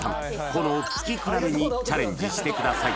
この聴き比べにチャレンジしてください